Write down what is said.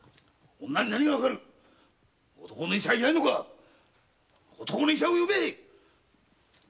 女に何がわかる男の医者は居ないのか男の医者を呼べ金は有る。